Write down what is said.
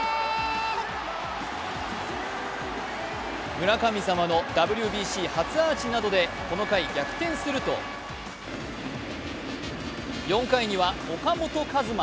村神様のＷＢＣ初アーチなどでこの回逆転すると４回には岡本和真。